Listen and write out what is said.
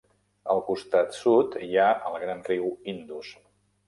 Al costat sud hi ha el gran riu Indus.